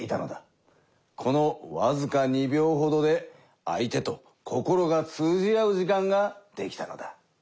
このわずか２秒ほどで相手と心が通じ合う時間ができたのだ。